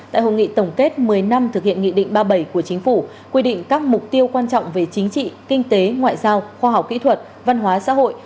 tại hội nghị tổng kết một mươi năm thực hiện nghị định ba mươi bảy của chính phủ quy định các mục tiêu quan trọng về chính trị kinh tế ngoại giao khoa học kỹ thuật văn hóa xã hội